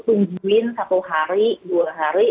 tungguin satu hari dua hari